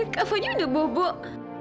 kavanya udah bobok